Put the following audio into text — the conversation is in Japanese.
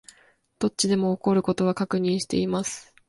どっちでも起こる事は確認しています